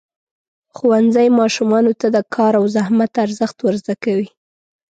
ښوونځی ماشومانو ته د کار او زحمت ارزښت ورزده کوي.